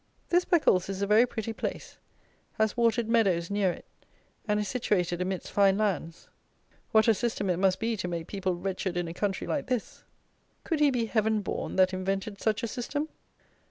This Beccles is a very pretty place, has watered meadows near it, and is situated amidst fine lands. What a system it must be to make people wretched in a country like this! Could he be heaven born that invented such a system?